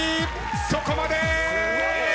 そこまで！